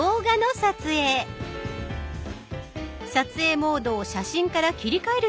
撮影モードを「写真」から切り替える必要があります。